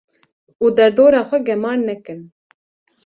Û derdora xwe gemar nekin.